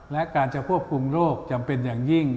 และการจะควบคุมโรคจำเป็นอย่างยิ่ง